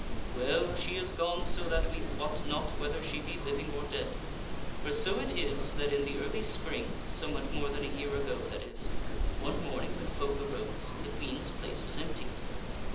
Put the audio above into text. Well, she is gone so that we wot not whether she be living or dead. For so it is that in the early spring, somewhat more than a year ago that is, one morning when folk arose, the Queen's place was empty.